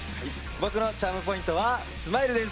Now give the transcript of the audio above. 僕のチャームポイントはスマイルです。